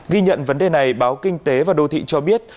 ghi nhận vấn đề này báo kinh tế và đô thị cho biết